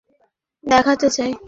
আপনাকে কিছু একটা দেখাতে চাই।